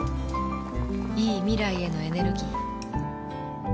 いい未来へのエネルギー